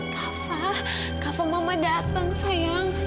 kafah kafa mama datang sayang